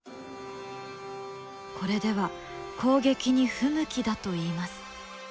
これでは攻撃に不向きだといいます。